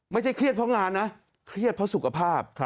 เครียดเพราะงานนะเครียดเพราะสุขภาพ